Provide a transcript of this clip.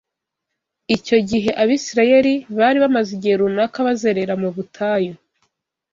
Icyo gihe Abisirayeli bari bamaze igihe runaka bazerera mu butayu